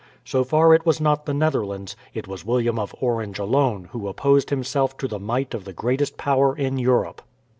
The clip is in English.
So far it was not the Netherlands, it was William of Orange alone who opposed himself to the might of the greatest power in Europe.